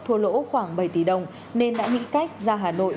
thua lỗ khoảng bảy tỷ đồng nên đã nghĩ cách ra hà nội